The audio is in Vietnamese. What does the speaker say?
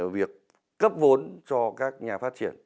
việc cấp vốn cho các nhà phát triển